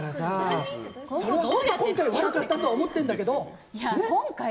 悪かったと思ってるんだけど。